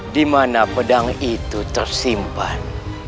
dimana pedang itu tersimpan